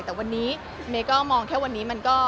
แต่วันนี้เมย์ก็มองแค่วันนี้มันก็